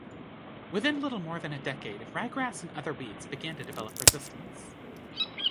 Within little more than a decade, ryegrass and other weeds began to develop resistance.